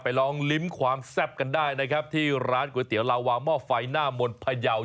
ไปลองลิ้มความแซ่บกันได้ที่ร้านก๋วยเตี๋ยวลาวาวเมาะไฟหน้ามนต์พระยาว